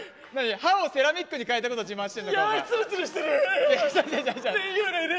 歯をセラミックに変えたのことを自慢してんのか？